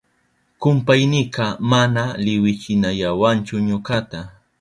Kumpaynika mana liwichinayawanchu ñukata.